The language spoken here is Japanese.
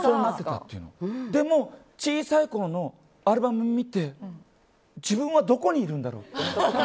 でも、小さいころのアルバムを見て自分はどこにいるんだろうって。